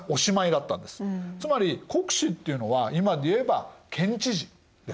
つまり国司っていうのは今でいえば県知事ですね。